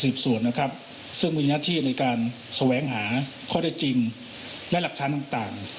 ส่วนนะครับซึ่งมีหน้าที่ในการแสวงหาข้อได้จริงและหลักฐานต่างต่าง